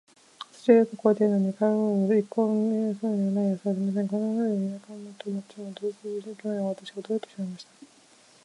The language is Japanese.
土はよく肥えているのに、穀物など一向に生えそうな様子はありません。こんなふうに、田舎も街も、どうも実に奇妙なので、私は驚いてしまいました。